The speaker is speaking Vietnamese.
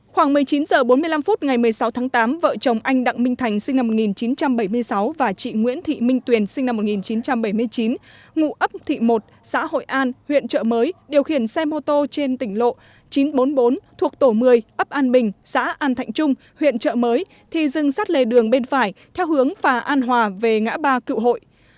khoảng một mươi chín h bốn mươi năm ngày một mươi sáu tháng tám vợ chồng anh đặng minh thành sinh năm một nghìn chín trăm bảy mươi sáu và chị nguyễn thị minh tuyền sinh năm một nghìn chín trăm bảy mươi chín ngụ ấp thị một xã hội an huyện trợ mới điều khiển xe mô tô trên tỉnh lộ chín trăm bốn mươi bốn thuộc tổ một mươi ấp an bình xã an thạnh trung huyện trợ mới thi dưng sát lề đường bên phải theo hướng phà an hòa về ngã ba cựu hội